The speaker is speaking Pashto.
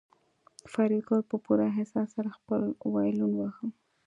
فریدګل په پوره احساس سره خپل وایلون واهه